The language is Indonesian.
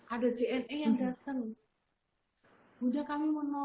ada cna yang datang bunda kami mau